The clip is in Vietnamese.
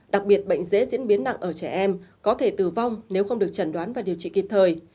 đặc biệt bệnh dễ diễn biến nặng ở trẻ em có thể tử vong nếu không được chẩn đoán và điều trị kịp thời